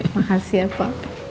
makasih ya pa